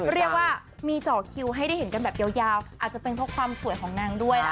เรียกว่ามีเจาะคิวให้ได้เห็นกันแบบยาวอาจจะเป็นเพราะความสวยของนางด้วยนะคะ